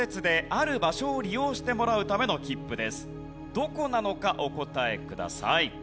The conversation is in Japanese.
どこなのかお答えください。